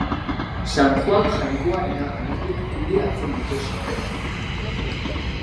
San Joan Jainkoarena anaiek kudeatzen dute sorreratik.